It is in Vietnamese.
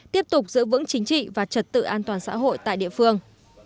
tiếp tục giữ vững chính trị và trật tự an toàn xã hội tại địa phương